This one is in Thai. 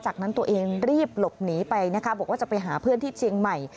จากนั้นตัวเองรีบหลบหนีไปนะคะบอกว่าจะไปหาเพื่อนที่เชียงใหม่